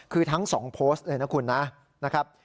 คือทั้ง๒โพสต์เลยนะคุณนะครับ